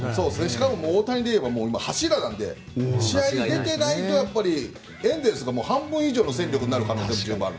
しかも大谷で言えば今、柱なんで試合に出てないとエンゼルスが半分以上の戦力になる可能性も十分ある。